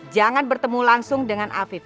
jangan bertemu langsung dengan afid